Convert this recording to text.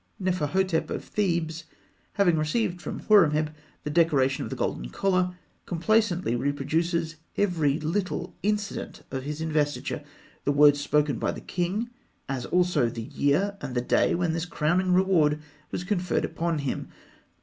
Neferhotep of Thebes, having received from Horemheb the decoration of the Golden Collar, complacently reproduces every little incident of his investiture, the words spoken by the king, as also the year and the day when this crowning reward was conferred upon him.